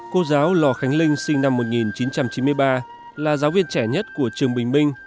cô giáo lò khánh linh sinh năm một nghìn chín trăm chín mươi ba là giáo viên trẻ nhất của trường bình minh